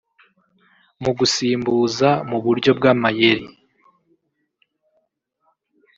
Mu gusimbuza mu buryo bw’amayeri